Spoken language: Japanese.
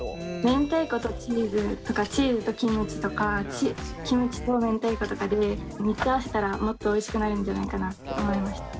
明太子とチーズとかチーズとキムチとかキムチと明太子とかで３つ合わせたらもっとおいしくなるんじゃないかなって思いました。